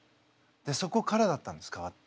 そこからだったんです変わって。